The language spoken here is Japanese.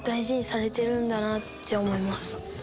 って思います。